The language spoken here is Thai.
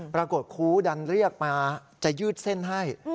ครูดันเรียกมาจะยืดเส้นให้